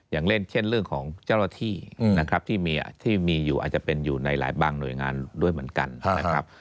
อย่างเช่นเรื่องของเจ้าหน้าที่นะครับที่มีอยู่อาจจะเป็นอยู่ในหลายบางหน่วยงานด้วยเหมือนกันนะครับ